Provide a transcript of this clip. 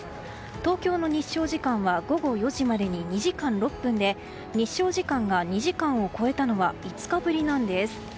東京の日照時間は午後４時までの２時間６分で日照時間が２時間を超えたのは５日ぶりなんです。